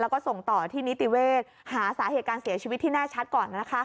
แล้วก็ส่งต่อที่นิติเวศหาสาเหตุการเสียชีวิตที่แน่ชัดก่อน